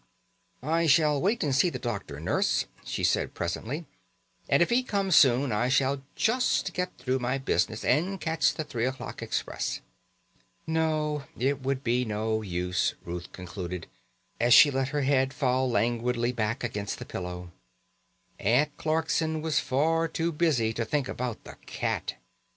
"I shall wait and see the doctor, Nurse," she said presently; "and if he comes soon I shall just get through my business, and catch the three o'clock express." No, it would be of no use, Ruth concluded, as she let her head fall languidly back against the pillow Aunt Clarkson was far too busy to think about the cat.